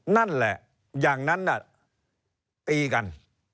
นั่นแหละอย่างนั้นตีกัน